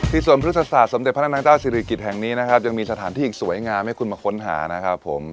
สวนพฤษศาสตร์สมเด็จพระนางเจ้าศิริกิจแห่งนี้นะครับยังมีสถานที่สวยงามให้คุณมาค้นหานะครับผม